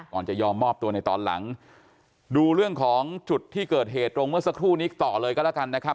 จะยอมมอบตัวในตอนหลังดูเรื่องของจุดที่เกิดเหตุตรงเมื่อสักครู่นี้ต่อเลยก็แล้วกันนะครับ